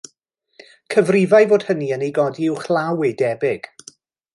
Cyfrifai fod hynny yn ei godi uwchlaw ei debyg.